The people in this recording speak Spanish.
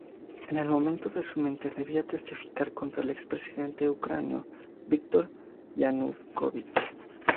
En el momento de su muerte, debía testificar contra el expresidente ucraniano Víktor Yanukóvich.